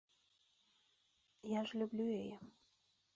Я ж люблю яе.